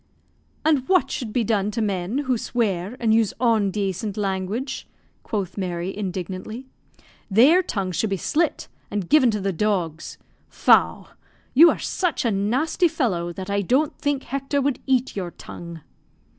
"And what should be done to men who swear and use ondacent language?" quoth Mary, indignantly. "Their tongues should be slit, and given to the dogs. Faugh! You are such a nasty fellow that I don't think Hector would eat your tongue."